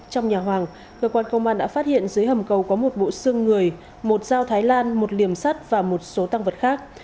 trong nhà hoàng cơ quan công an đã phát hiện dưới hầm cầu có một bộ xương người một dao thái lan một liềm sắt và một số tăng vật khác